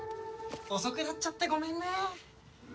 遅くなっちゃってごめんね！